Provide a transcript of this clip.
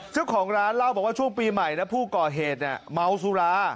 เจ้าของร้านเล่าบอกว่าช่วงปีใหม่นะผู้ก่อเหตุเมาสุรา